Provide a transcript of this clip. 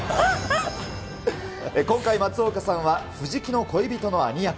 今回松岡さんは藤木の恋人の兄役。